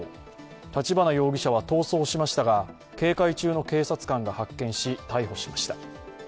立花容疑者は逃走しましたが警戒中の警察官が発見し逮捕しました。